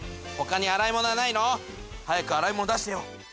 他に洗い物はないの？早く洗い物出してよ。